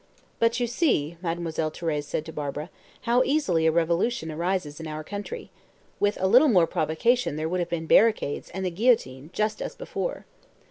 "But, you see," Mademoiselle Thérèse said to Barbara, "how easily a revolution arises in our country. With a little more provocation there would have been barricades and the guillotine just as before."